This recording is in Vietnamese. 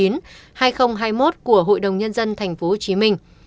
bộ đồng nhân dân tp hcm